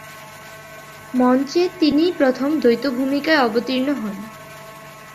মঞ্চে তিনিই প্রথম দ্বৈত ভূমিকায় অবতীর্ণ হন।